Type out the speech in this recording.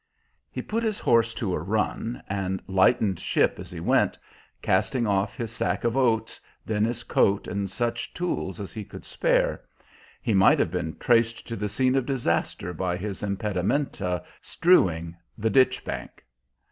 He put his horse to a run, and lightened ship as he went, casting off his sack of oats, then his coat and such tools as he could spare; he might have been traced to the scene of disaster by his impedimenta strewing the ditch bank.